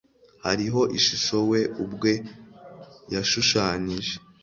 Hariho ishusho we ubwe yashushanyije.